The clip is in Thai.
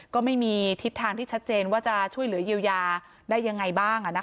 ก็ไม่มีทิศทางที่ชัดเจนว่าจะช่วยเหลือเยียวยาได้ยังไงบ้าง